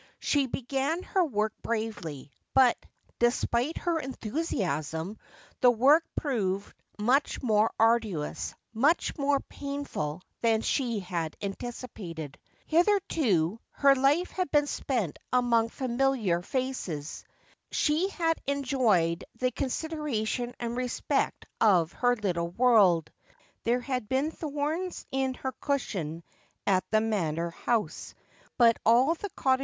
She began her workly bravely ; but, despite her enthusiasm, the work proved much more arduous, much more painful, than she had anticipated, Hitherto her life had been spent among 310 Just as I Am. familiar fa2e 3 — he hi I enjovel the eoasid erat ion and re;p?ei of her little world. There had been thorns in her cn diioii 'it the Mauor House ; bus a. I the cottag.